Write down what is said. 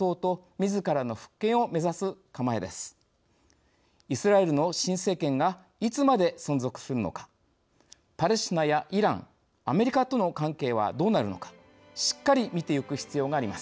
イスラエルの新政権がいつまで存続するのかパレスチナやイランアメリカとの関係はどうなるのかしっかり見てゆく必要があります。